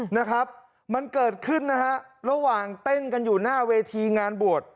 นะครับมันเกิดขึ้นนะฮะระหว่างเต้นกันอยู่หน้าเวทีงานบวช